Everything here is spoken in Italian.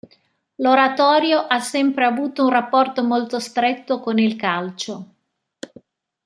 L'oratorio ha sempre avuto un rapporto molto stretto con il calcio.